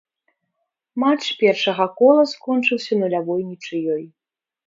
Матч першага кола скончыўся нулявой нічыёй.